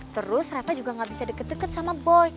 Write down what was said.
terus reva juga nggak bisa deket deket sama boy